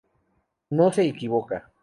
No se equivoca.